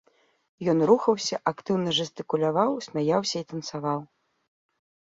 Ён рухаўся, актыўна жэстыкуляваў, смяяўся і танцаваў!